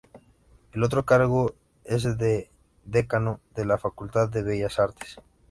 El otro cargo es el de Decano de la Facultad de Bellas Artes.